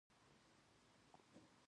د بسترې لپاره کور اړین دی